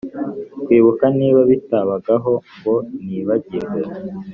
kwibuka niba bitabagaho ngo nibagirwe